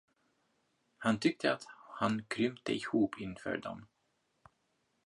Han tyckte, att han krympte ihop inför dem.